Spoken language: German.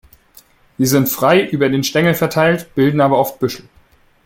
Sie sind frei über den Stängel verteilt, bilden aber oft Büschel.